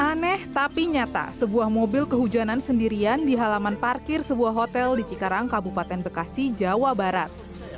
aneh tapi nyata sebuah mobil kehujanan sendirian di halaman parkir sebuah hotel di cikarang kabupaten bekasi jawa barat